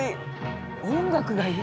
音楽がいい。